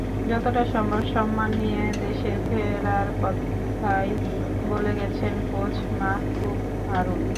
যতটা সম্ভব সম্মান নিয়ে দেশে ফেরার কথাই বলে গেছেন কোচ মাহবুব হারুন।